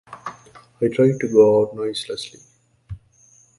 I tried to go out noiselessly.